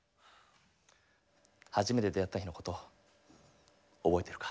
初めて出会った日のこと覚えてるか？